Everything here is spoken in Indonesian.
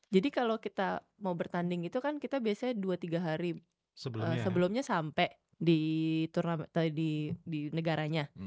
jadi kalau kita mau bertanding itu kan kita biasanya dua tiga hari sebelumnya sampai di negaranya